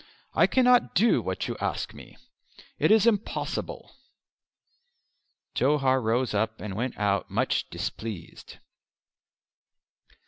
I cannot do what you ask me. It is impossible." Johar rose up and went out much displeased.